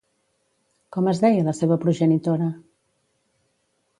Com es deia la seva progenitora?